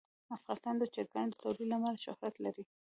افغانستان د چرګانو د تولید له امله شهرت لري.